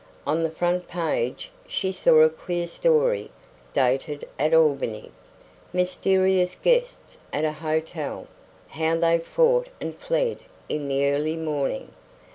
On the front page she saw a queer story, dated at Albany: Mysterious guests at a hotel; how they had fought and fled in the early morning.